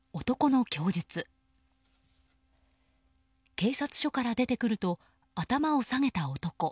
警察署から出てくると頭を下げた男。